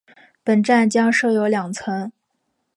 本站将设有两层。